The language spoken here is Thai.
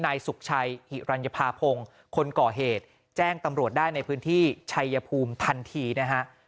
นายสุขชัยหิรัญภาพงคนก่อเหตุแจ้งตำรวจได้ในพื้นที่ชัยภูมิทันทีนะฮะ